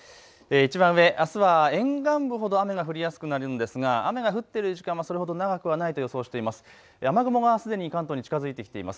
いちばん上、あすは沿岸部ほど雨が降りやすくなるんですが雨が降っている時間はそれほど長くはないと予想しています。